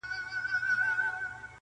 • پر ځنګله یې کړل خپاره خپل وزرونه -